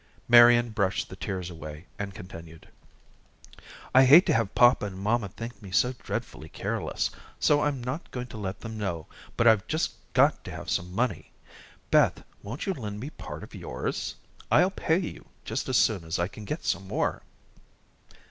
Marian brushed the tears away and continued: "I hate to have papa and mamma think me so dreadfully careless, so I'm not going to let them know, but I've just got to have some money. Beth, won't you lend me part of yours? I'll pay you just as soon as I can get some more."